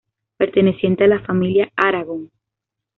Perteneciente a la familia Aragón.